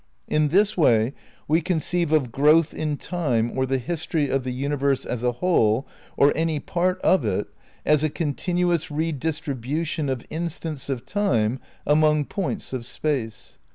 ..."* "In this way we conceive of growth in Time or the history of the Universe as a whole, or any part of it, as a continuous redis tribution of instants of Time among points of Space.